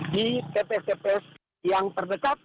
di tps tps yang terdekat